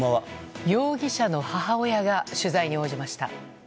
容疑者の母親が取材に応じました。